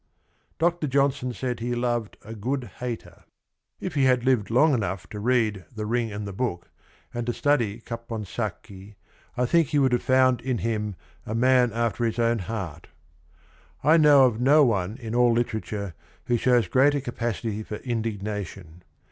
Dr. Johnson said he loved a good hater. If 98 THE RING AND THE BOOK he had lived long enough to read The Ring and the Book, and to study Caponsacchi, I think he would have found in him a man after his own heart. I know of no one in all literature who shows greater capacity for indignation.